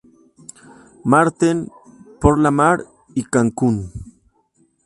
Maarten, Porlamar y Cancún.